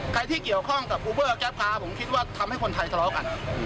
เรียกยังข้องกับวูเบอร์แก็บค่ะผมคิดว่าทำให้คนไทยค่ะ